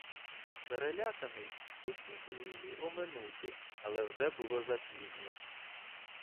Переляканий, хотів він її обминути, але вже було запізно.